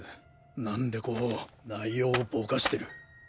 何でこう内容をぼかしてる。